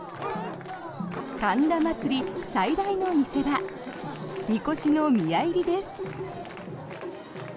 神田祭最大の見せ場みこしの宮入です。